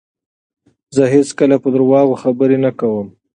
زه هیڅکله په درواغو خبرې نه کوم.